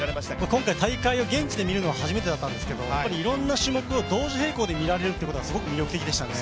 今回大会を現地で見るのは初めてだったんですけどいろんな種目を同時並行で見られることはすごい魅力的でした。